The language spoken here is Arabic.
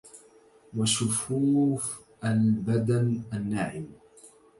وشفوف البدن الناعم